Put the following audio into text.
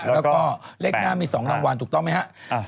แล้วก็เลขหน้ามี๒รางวัลถูกต้องไหมครับ